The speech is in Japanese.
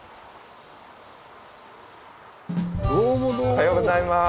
おはようございます。